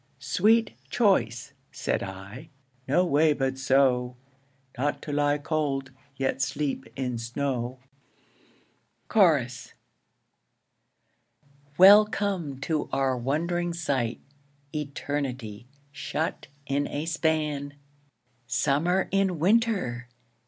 Sweet choice (said I) no way but so, Not to lie cold, yet sleep in snow. Chorus. Welcome to our wond'ring sight Eternity shut in a span! Summer in winter!